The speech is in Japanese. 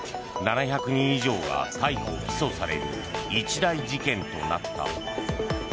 ７００人以上が逮捕・起訴される一大事件となった。